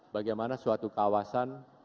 bagaimana suatu kawasan